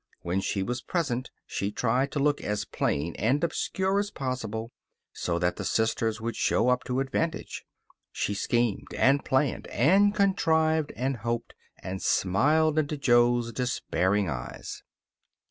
When she was present she tried to look as plain and obscure as possible, so that the sisters should show up to advantage. She schemed, and planned, and contrived, and hoped; and smiled into Jo's despairing eyes.